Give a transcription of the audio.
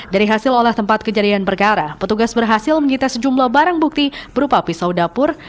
dari hasil olah tempat kejadian perkara petugas berhasil menyita sejumlah barang bukti berupa pisau dapur